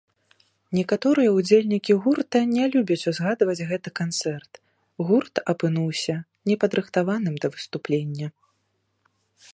Некаторыя ўдзельнікі гурта не любяць узгадваць гэты канцэрт, гурт апынуўся не падрыхтаваным да выступлення.